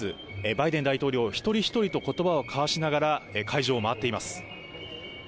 バイデン大統領、一人一人とことばを交わしながら、会場を回っています。